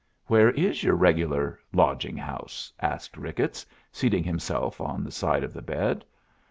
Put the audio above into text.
"Where is your regular lodging house?" asked Ricketts, seating himself on the side of the bed.